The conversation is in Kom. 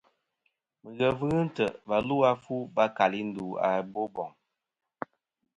Mɨghef ghɨ ntè' va lu a fu va kali ndu a i Boboŋ.